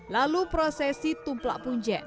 lalu prosesi tumplak punjen